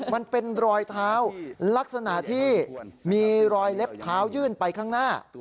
มันเป็นรอยเท้าลักษณะที่มีรอยเล็บเท้ายื่นไปข้างหน้า